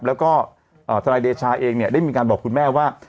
แล้วก็ทนายเดชาเองเนี่ยได้มีการบอกคุณแม่ว่า